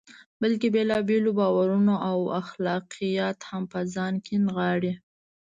بلکې بېلابېل باورونه او اخلاقیات هم په ځان کې نغاړي.